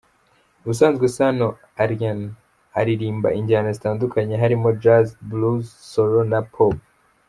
Ubusanzwe Sano Alyn aririmba injyana zitandukanye harimo Jazz, Blues, Sol na Pop.